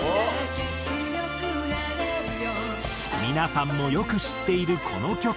皆さんもよく知っているこの曲。